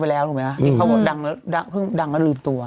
ไปแล้วถูกไหมอะเพราะว่าดังแล้วดังเพิ่งดังแล้วลืมตัว